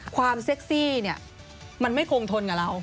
เซ็กซี่เนี่ยมันไม่คงทนกับเรา